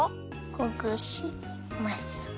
ほぐします！